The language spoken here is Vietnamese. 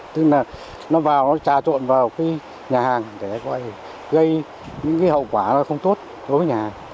tức là nó vào nó trà trộn vào nhà hàng để gây những hậu quả không tốt đối với nhà hàng đối với nhân dân